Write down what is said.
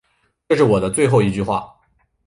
这是我的最后一句话